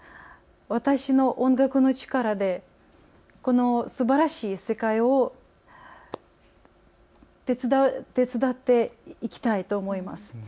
私の音楽の力でこのすばらしい世界を手伝っていきたいと思います。